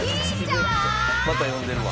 また呼んでるわ。